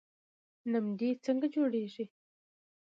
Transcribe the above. نمدې څنګه جوړیږي؟